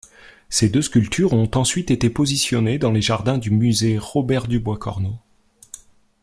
Ces deux sculptures ont ensuite été positionnées dans les jardins du musée Robert Dubois-Corneau.